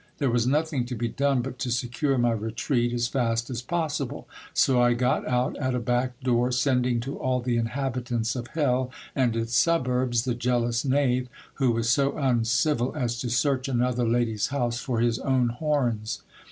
There was nothing to be done but to secure my retreat as fast as possible. So I got out at a back door, sending to all the inhabitants of hell and its suburbs the jealous knave, who was so uncivil as to search another lady's house for his own horns.